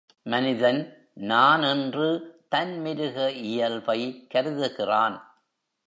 மனிதன் நான் என்று தன் மிருக இயல்பை கருதுகிறான்.